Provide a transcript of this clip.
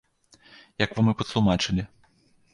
Як вам і патлумачылі.